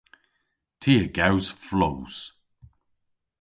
Ty a gews flows!